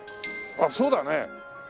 あっそうだね。